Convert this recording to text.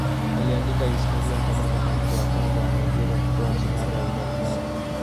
Aliandika historia kama mwanamke wa kwanza wa Nigeria kupewa shahada ya udaktari.